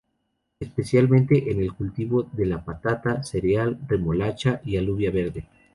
Especialmente en el cultivo de la patata, cereal, remolacha y alubia verde.